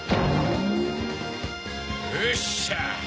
よっしゃ！